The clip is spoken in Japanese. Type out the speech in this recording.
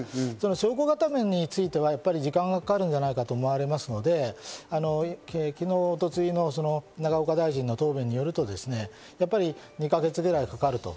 証拠固めについては時間がかかるんじゃないかと思われますので、昨日一、昨日の永岡大臣の答弁によると、２か月ぐらいかかると。